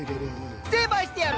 成敗してやる！